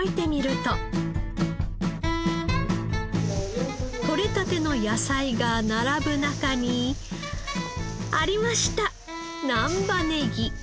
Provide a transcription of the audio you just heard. とれたての野菜が並ぶ中にありました！